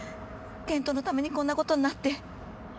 謙人のためにこんな事になって。